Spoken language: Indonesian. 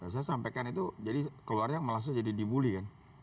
saya sampaikan itu jadi keluarnya malah saya jadi dibully kan